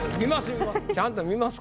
見ます